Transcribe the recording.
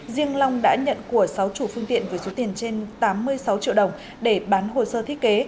riêng long đã nhận của sáu chủ phương tiện với số tiền trên tám mươi sáu triệu đồng để bán hồ sơ thiết kế